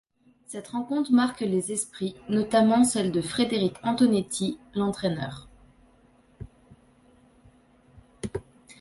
Cette rencontre marque les esprits, notamment celle de Frédéric Antonetti, l’entraîneur.